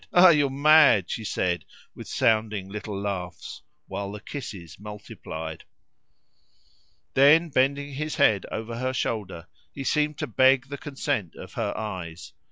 Ah! you are mad!" she said, with sounding little laughs, while the kisses multiplied. Then bending his head over her shoulder, he seemed to beg the consent of her eyes.